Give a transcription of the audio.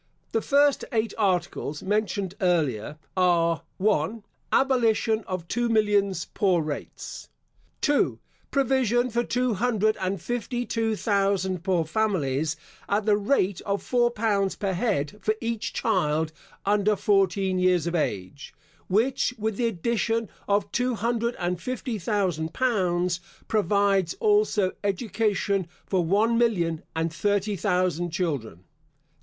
The first eight articles, mentioned earlier, are; 1. Abolition of two millions poor rates. 2. Provision for two hundred and fifty two thousand poor families, at the rate of four pounds per head for each child under fourteen years of age; which, with the addition of two hundred and fifty thousand pounds, provides also education for one million and thirty thousand children.